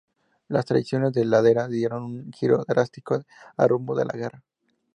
Las Traiciones de Ladera dieron un giro drástico al rumbo de la guerra.